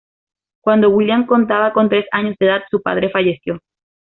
Cuando William contaba con tres años de edad, su padre falleció.